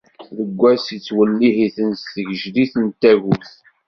Deg wass, ittwellih-iten s tgejdit n tagut.